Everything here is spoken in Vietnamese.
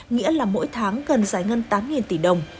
nghĩa là mỗi tháng cần giải ngân tám tỷ đồng